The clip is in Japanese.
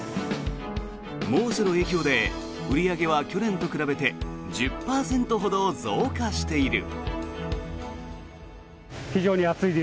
猛暑の影響で売り上げは去年と比べて１０％ほど増加している。